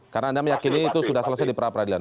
karena anda meyakini itu sudah selesai di peradilan